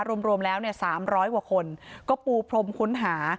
รวมรวมแล้วเนี่ยสามร้อยกว่าคนก็ปูพรมคุณหา